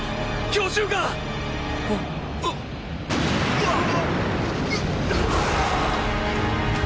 うわっ！